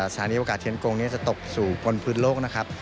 สถานีโอกาสเทียนกงนี้จะตกสู่บนพื้นโลกนะครับ